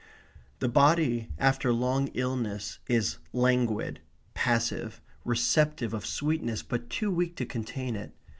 The body after long illness is languid, passive, receptive of sweetness, but too weak to contain it.